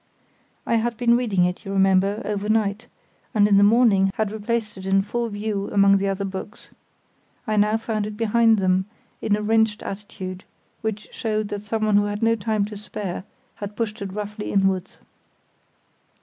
I had been reading it, you remember, overnight, and in the morning had replaced it in full view among the other books. I now found it behind them, in a wrenched attitude, which showed that someone who had no time to spare had pushed it roughly inwards.